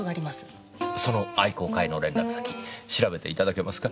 その愛好会の連絡先調べていただけますか？